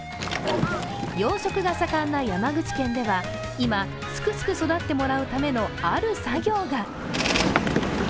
養殖が盛んな山口県では今すくすく育ってもらうためのある作業が。